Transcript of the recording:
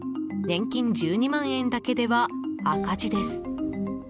年金１２万円だけでは赤字です。